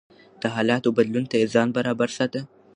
د حالاتو بدلون ته يې ځان برابر ساته.